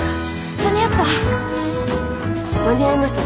間に合った？